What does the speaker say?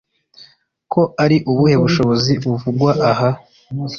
ko ari ubuhe bushobozi buvugwa aha’